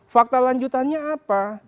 fakta lanjutannya apa